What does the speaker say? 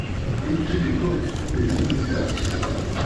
Etude et correction des noms de villages.